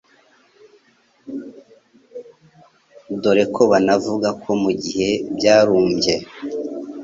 dore ko banavuga ko mu gihe byarumbye